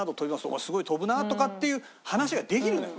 「お前すごい飛ぶなあ」とかっていう話ができるのよ。